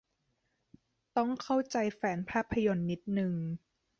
ต้องเข้าใจแฟนภาพยนตร์นิดนึง